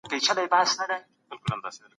موږ بايد خپل فکر مثبت وساتو.